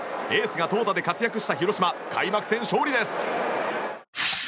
エースが投打で活躍した広島開幕戦勝利です！